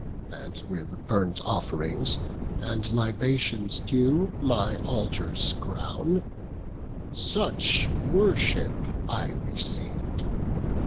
And with, burnt off'rings and libations due My altars crown; such worship I receiv'd.